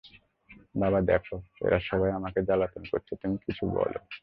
বাবা দেখো, এরা সবাই আমাকে জ্বালাতন করছে, তুমি কিছু বলো।